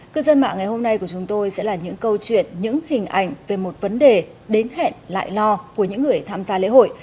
cư dân mạng ngày hôm nay của chúng tôi sẽ là những câu chuyện những hình ảnh về một vấn đề đến hẹn lại lo của những người tham gia lễ hội